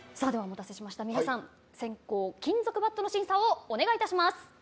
皆さん、先攻金属バットの審査をお願いします。